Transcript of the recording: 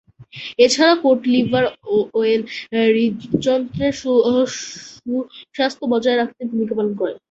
এছাড়া cod liver oil হৃদযন্ত্রের সুস্বাস্থ্য বজায় রাখতে ভূমিকা পালন করে।